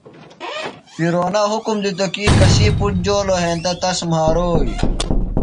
فرعونہ حُکم دِتوۡ کی کسی بیۡ پُتر جولوۡ ہینتہ تس مھاروئی۔